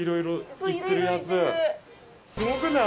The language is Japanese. すごくない？